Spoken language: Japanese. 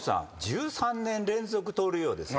１３年連続盗塁王ですよ。